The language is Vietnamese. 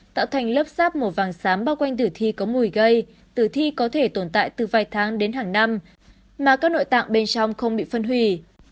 tạo thành lớp sáp màu vàng sám bao quanh tử thi có mùi gây tử thi có thể tồn tại từ vài tháng đến hàng năm mà các nội tạng bên trong không bị phân hủy